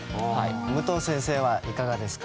武藤先生はいかがですか？